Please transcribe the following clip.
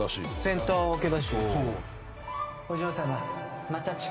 センター分けだし。